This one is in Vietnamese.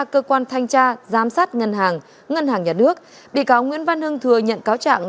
cơ quan thanh tra giám sát ngân hàng ngân hàng nhà nước bị cáo nguyễn văn hưng thừa nhận cáo trạng